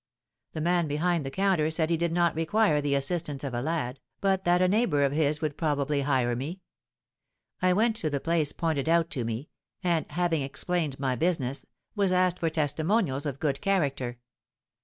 The man behind the counter said he did not require the assistance of a lad, but that a neighbour of his would probably hire me. I went to the place pointed out to me, and, having explained my business, was asked for testimonials of good character.